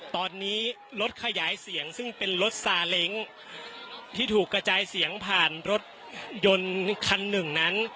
ตอนนี้รถขยายเสียงซึ่งเป็นรถซาเล้งที่ถูกกระจายเสียงผ่านรถยนต์คันหนึ่งนั้น